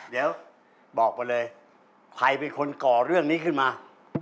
เดี๋ยวบอกไปเลยใครเป็นคนก่อเรื่องนี้ขึ้นมา